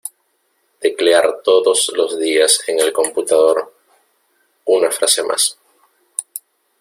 Teclear todos los dias en el computador, una frase más.